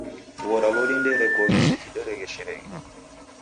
Kughora loli ndeerekoghe seji deregheshereghe.